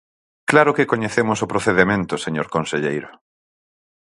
Claro que coñecemos o procedemento, señor conselleiro.